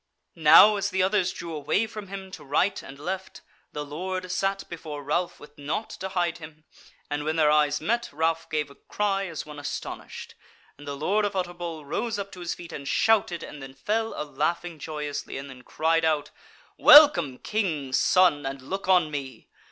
Now as the others drew away from him to right and left, the Lord sat before Ralph with naught to hide him, and when their eyes met Ralph gave a cry as one astonished; and the Lord of Utterbol rose up to his feet and shouted, and then fell a laughing joyously, and then cried out: "Welcome, King's Son, and look on me!